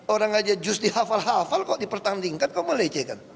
orang aja just dihafal hafal kok dipertandingkan kok melecehkan